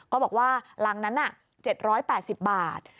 ก็บอกว่าหลังน่ะเจ็ดร้อยแปดสิบบาท